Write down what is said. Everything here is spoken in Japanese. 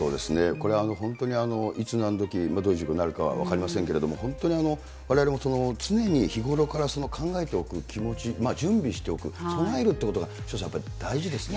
これ、本当にいつ何時、当事者になるか分かりませんけれども、本当にわれわれも常に日頃から考えておく気持ち、準備しておく、備えるということが潮田さん、大事ですね。